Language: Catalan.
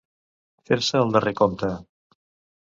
Fer-se el darrer compte.